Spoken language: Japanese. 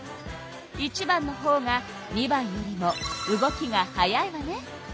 １番のほうが２番よりも動きが速いわね。